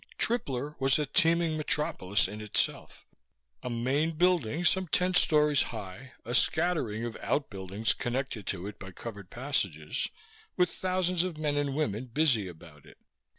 Tripler was a teeming metropolis in itself, a main building some ten stories high, a scattering of outbuildings connected to it by covered passages, with thousands of men and women busy about it.